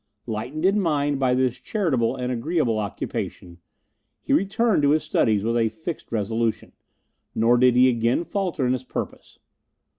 Lightened in mind by this charitable and agreeable occupation, he returned to his studies with a fixed resolution, nor did he again falter in his purpose.